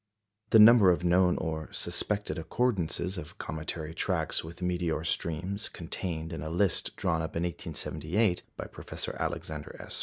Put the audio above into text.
The number of known or suspected accordances of cometary tracks with meteor streams contained in a list drawn up in 1878 by Professor Alexander S.